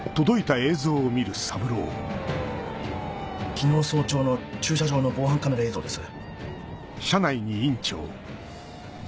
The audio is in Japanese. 昨日早朝の駐車場の防犯カメラ映像です。